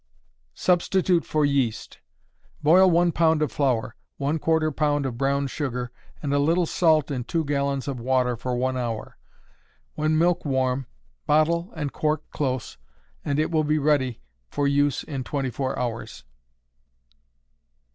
Substitute for Yeast. Boil one pound of flour, one quarter pound of brown sugar and a little salt in two gallons of water for one hour. When milk warm, bottle and cork close, and it will be ready for use in twenty four hours.